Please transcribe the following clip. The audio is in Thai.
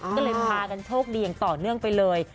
ก็เลยพากันโชคดีอย่างต่อเนื่องไปเลย